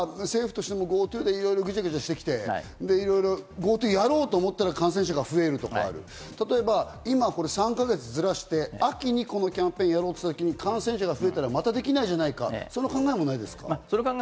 政府としてもＧｏＴｏでいろいろぐちゃぐちゃしてきて、ＧｏＴｏやろうと思ったら感染者が増えるとか、今、３か月ずらして、秋にこのキャンペーンをやろうと感染者が増えたら、またできないじゃないかという考えはないですか？